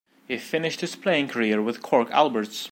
He finished his playing career with Cork Alberts.